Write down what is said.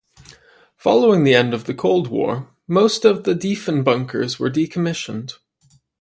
Following the end of the Cold War, most of the Diefenbunkers were decommissioned.